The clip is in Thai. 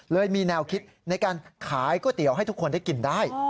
มีแนวคิดในการขายก๋วยเตี๋ยวให้ทุกคนได้กินได้